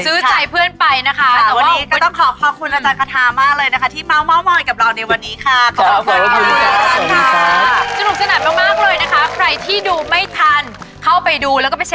ซื้อใจเพื่อนไปนะคะ